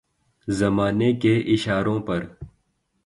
زمانے کے اشاروں پر